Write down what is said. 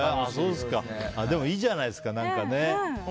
でもいいじゃないですか、何か。